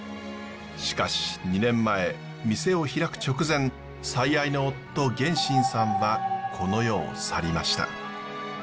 しかし２年前店を開く直前最愛の夫眼心さんはこの世を去りました。